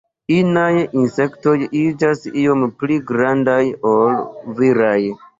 Inaj insektoj iĝas iom pli grandaj ol viraj.